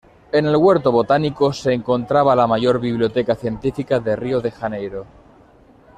En el Huerto Botánico se encontraba la mayor biblioteca científica de Río de Janeiro.